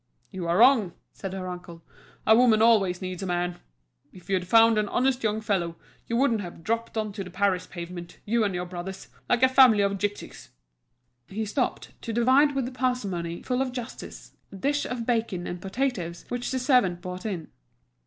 "You are wrong," said her uncle; "a woman always needs a man. If you had found an honest young fellow, you wouldn't have dropped on to the Paris pavement, you and your brothers, like a family of gipsies." He stopped, to divide with a parsimony full of justice, a dish of bacon and potatoes which the servant brought in.